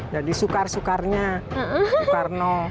jadi soekar soekarnya soekarno